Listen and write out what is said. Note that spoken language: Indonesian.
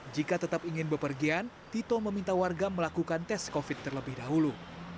jika tetap ingin berpergian tito meminta warga melakukan tes covid sembilan belas terlebih dahulu